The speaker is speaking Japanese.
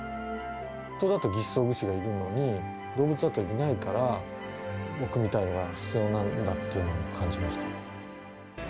人だと義肢装具士がいるのに、動物だといないから、僕みたいなのが必要だなっていうのを感じました。